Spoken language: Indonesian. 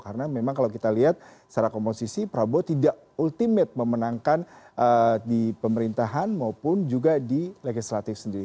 karena memang kalau kita lihat secara komposisi prabowo tidak ultimate memenangkan di pemerintahan maupun juga di legislatif sendiri